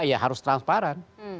ya harus transparan